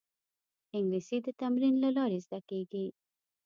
انګلیسي د تمرین له لارې زده کېږي